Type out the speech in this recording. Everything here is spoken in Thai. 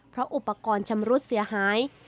เพราะอุปกรณ์ชำรุดเสียหาย